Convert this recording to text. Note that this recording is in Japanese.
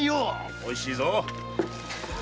おいしいぞ。